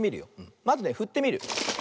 まずねふってみる。